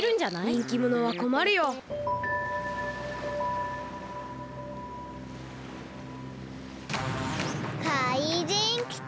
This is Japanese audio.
にんきものはこまるよ。かいじんきた！